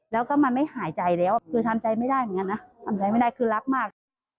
แล้วก็มันไม่หายใจแล้วคือทำใจไม่ได้เหมือนกันนะทำใจไม่ได้คือรักมาก